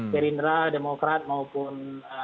gerindra demokrat maupun